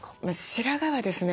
白髪はですね